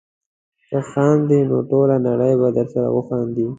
که وخاندې نو ټوله نړۍ به درسره وخاندي.